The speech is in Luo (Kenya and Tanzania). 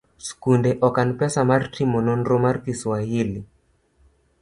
skunde okan pesa mar timo nonro mar kiswahili.